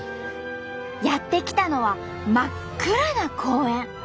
やって来たのは真っ暗な公園。